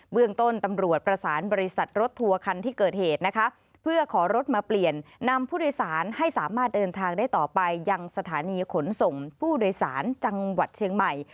เรื่องต้นตำรวจประสานบริษัทรถทัวร์คันที่เกิดเหตุนะคะเพื่อขอรถมาเปลี่ยนนำผู้โดยสารให้สามารถเดินทางได้ต่อไปยังสถานีขนส่งผู้โดยสารจังหวัดเชียงใหม่